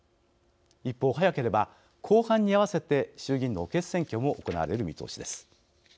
一方、早ければ後半に合わせて衆議院の補欠選挙も行われる見通しです。